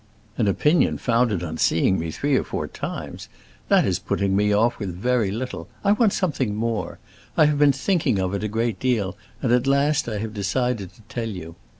"An opinion founded on seeing me three or four times? That is putting me off with very little. I want something more. I have been thinking of it a good deal, and at last I have decided to tell you.